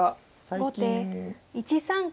後手１三角。